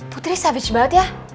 putri savage banget ya